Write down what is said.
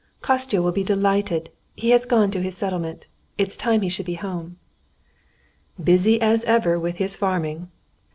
"Kostya will be delighted. He has gone to his settlement. It's time he should be home." "Busy as ever with his farming.